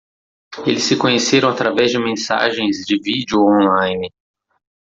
Eles se conheceram através de mensagens de vídeo on-line.